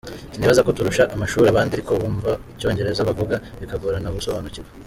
Sinibazako turusha amashuri abahinde ariko wumva icyongereza bavuga bikagorana gusobanukirwa.